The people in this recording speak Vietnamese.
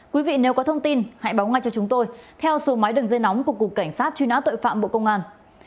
quý vị nếu có thông tin hãy báo ngay cho chúng tôi theo số máy đường dây nóng của cục cảnh sát truy nã tội phạm bộ công an